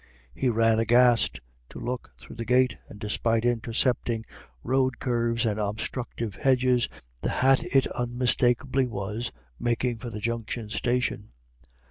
He ran aghast to look through the gate, and despite intercepting road curves and obstructive hedges, the hat it unmistakably was, making for the Junction station.